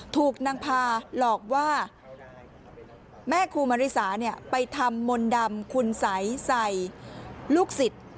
ถูกนางพาหลอกว่าแม่ครูมาริสาไปทำมนต์ดำคุณสัยใส่ลูกศิษย์